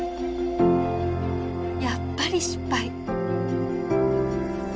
やっぱり失敗。